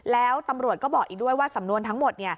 แล้วตำรวจก็บอกอีกด้วยว่าสำนวนทั้งหมด